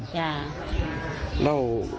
แล้ว